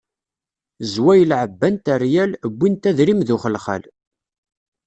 Zwayel ɛebbant rryal, wwint adrim d uxelxal.